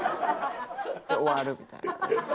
で終わるみたいな。